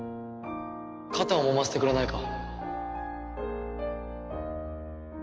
肩をもませてくれないか？